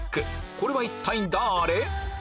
これは一体だれ？